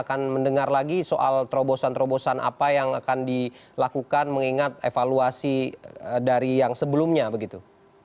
akan mendengar lagi soal terobosan terobosan apa yang akan dilakukan mengingat evaluasi dari yang sebelumnya begitu